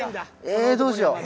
ええどうしよう。